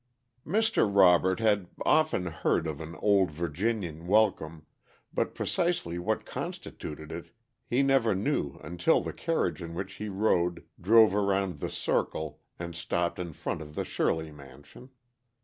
_ Mr. Robert had often heard of "an Old Virginian welcome," but precisely what constituted it he never knew until the carriage in which he rode drove around the "circle" and stopped in front of the Shirley mansion.